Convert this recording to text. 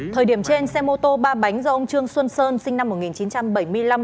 thời điểm trên xe mô tô ba bánh do ông trương xuân sơn sinh năm một nghìn chín trăm bảy mươi năm